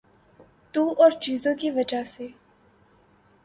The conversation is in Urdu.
تو اورچیزوں کی وجہ سے۔